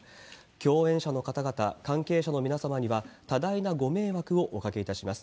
共演者の方々、関係者の皆様には、多大なご迷惑をおかけいたします。